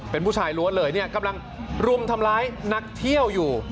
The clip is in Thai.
เป็นผู้ชายล้วนเลยเนี่ยกำลังรุมทำร้ายนักเที่ยวอยู่